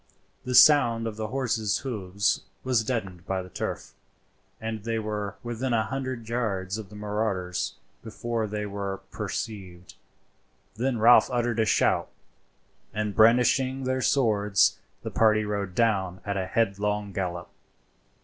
The sound of the horses' hoofs was deadened by the turf, and they were within a hundred yards of the marauders before they were perceived; then Ralph uttered a shout, and brandishing their swords the party rode down at a headlong gallop.